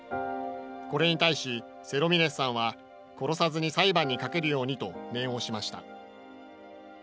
これに対しセロミネスさんは「殺さずに裁判にかけるように」と念を押しました。